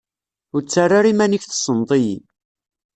Ur ttarra ara iman-ik tessneḍ-iyi.